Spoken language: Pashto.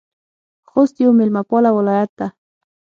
خوست یو میلمه پاله ولایت ده